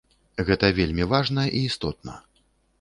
Гэта вельмі важна і істотна.